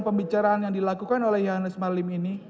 pembicaraan yang dilakukan oleh yohannes marlim ini